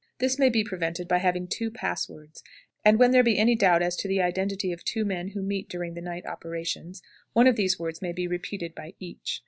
This may be prevented by having two pass words, and when there be any doubt as to the identity of two men who meet during the night operations, one of these words may be repeated by each.